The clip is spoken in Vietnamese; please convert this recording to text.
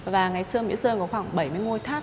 và ngày xưa mỹ sơn có khoảng bảy mươi ngôi tháp